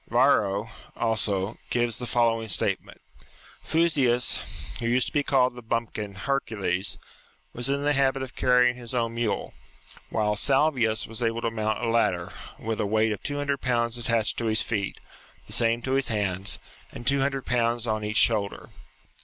Varro, also, gives the following statement :" Fusius, who used to be called the ' bumpkin ^^ Hercules,' was in the habit of carrying his own mule; while Salvius was able to mount a ladder, with a weight of two hundred pounds attached to his feet, the same to his hands, and two hundred pounds on each shoulder."